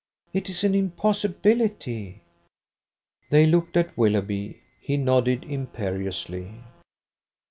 It is an impossibility." They looked at Willoughby. He nodded imperiously.